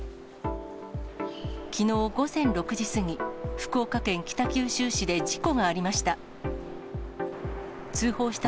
きのう午前６時過ぎ、福岡県北九州市で事故がありました。